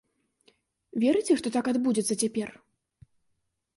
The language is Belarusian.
Верыце, што так адбудзецца цяпер?